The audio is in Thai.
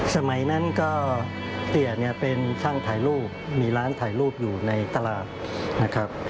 สมัยนั้นก็เตี๋ยเนี่ยเป็นช่างถ่ายรูปมีร้านถ่ายรูปอยู่ในตลาดนะครับ